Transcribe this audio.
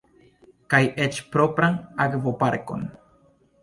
Kaj eĉ propran akvoparkon!